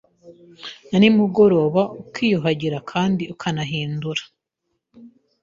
na nimugoroba ukiyuhagira kandi ukanahindura